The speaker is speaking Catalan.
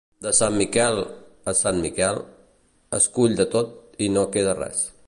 De Sant Miquel a Sant Miquel, es cull de tot i no queda res.